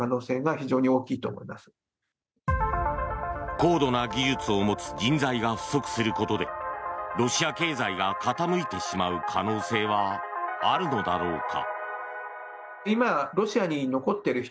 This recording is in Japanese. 高度な技術を持つ人材が不足することでロシア経済が傾いてしまう可能性はあるのだろうか。